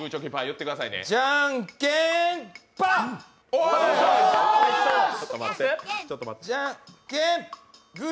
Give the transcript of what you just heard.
じゃんけん、パー！